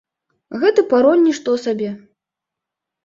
Гэты пароль нішто сабе.